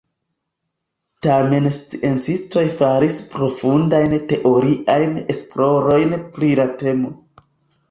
Tamen sciencistoj faris profundajn teoriajn esplorojn pri la temo.